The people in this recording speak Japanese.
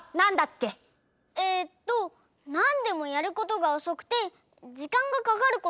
えっとなんでもやることがおそくてじかんがかかること！